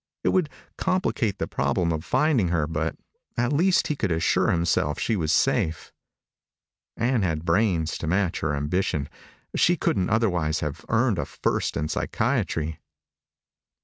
It would complicate the problem of finding her, but at least he could assure himself she was safe. Ann had brains to match her ambition. She couldn't otherwise have earned a First in Psychiatry.